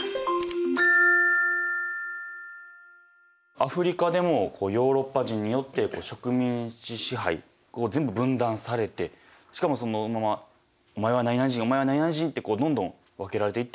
アフリカでもヨーロッパ人によって植民地支配全部分断されてしかもそのままお前は何々人お前は何々人ってどんどん分けられていった。